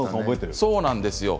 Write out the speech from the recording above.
そうなんです